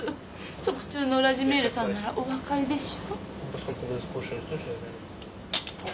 食通のウラジミールさんならお分かりでしょう？